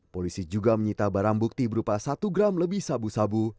polisi juga menyita barang bukti berupa satu gram lebih sabu sabu